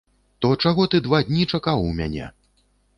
То чаго ты два дні чакаў у мяне?